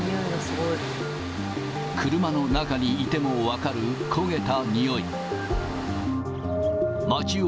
車の中にいても分かる焦げた臭い。